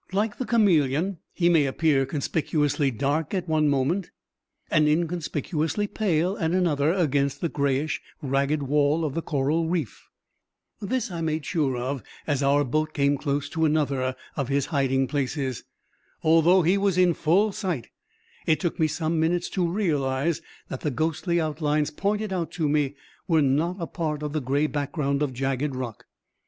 Like the chameleon, he may appear conspicuously dark at one moment and inconspicuously pale at another, against the grayish, ragged wall of the coral reef. This I made sure of as our boat came close to another of his hiding places. Although he was in full sight, it took me some minutes to realize that the ghostly outlines pointed out to me were not a part of the gray background of jagged rock.